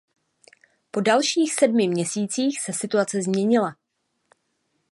Po dalších sedmi měsících se situace změnila.